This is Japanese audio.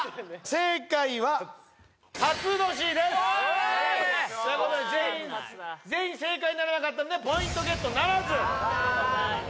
正解はということで全員正解にならなかったのでポイントゲットならず！